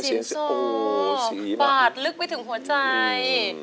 เสียงซอปาดลึกไปถึงหัวใจ